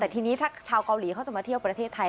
แต่ทีนี้ถ้าชาวเกาหลีเขาจะมาเที่ยวประเทศไทย